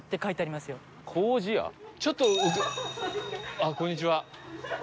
あっこんにちは。